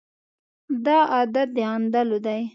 دا عادت د غندلو دی.